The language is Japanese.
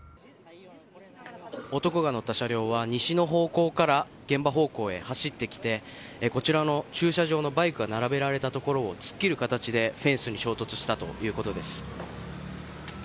男が乗った車両は西の方向から現場方向へ走ってきてこちらの駐車場のバイクが並べられたところを突っ切る形でフェンスに衝突したということです。